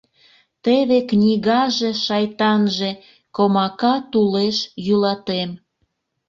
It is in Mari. Теве книгаже-шайтанже — комака тулеш йӱлатем.